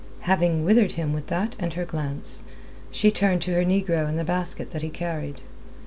Having withered him with that and her glance, she turned to her negro and the basket that he carried.